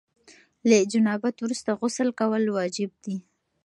له جنابت وروسته غسل کول واجب دي.